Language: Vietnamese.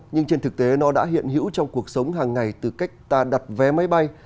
nhưng trên thực tế nó đã hiện hữu trong cuộc sống hàng ngày từ cách ta đặt vé máy bay